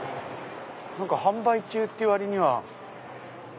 販売中っていう割には。